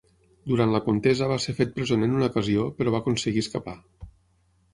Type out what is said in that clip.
Durant la contesa va ser fet presoner en una ocasió però va aconseguir escapar.